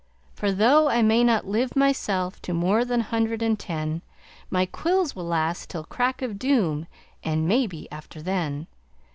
For tho' I may not live myself To more than a hundred and ten, My quills will last till crack of doom, And maybe after then.